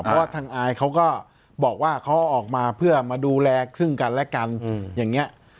เพราะว่าทางอายเขาก็บอกว่าเขาออกมาเพื่อมาดูแลซึ่งกันและกันอย่างนี้